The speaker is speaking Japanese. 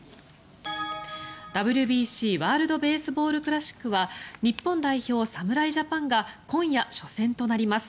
ＷＢＣ＝ワールド・ベースボール・クラシックは日本代表・侍ジャパンが今夜、初戦となります。